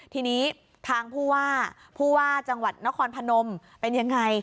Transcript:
ทีนี้ทางผู้ว่าผู้ว่าจังหวัดนครพนมเป็นยังไง